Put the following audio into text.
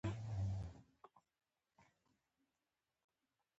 هغه ماضي د افغان وطن د بنسټونو په ورانولو ملګرې وه.